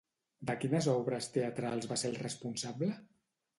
De quines obres teatrals va ser el responsable?